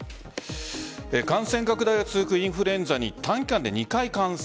感染拡大が続くインフルエンザに短期間で２回感染。